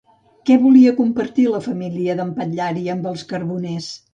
Què volia compartir la família d'en Patllari amb els carboners?